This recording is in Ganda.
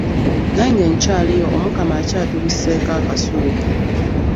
Nange nkyaliyo Omukama akyatubisseeko akasubi.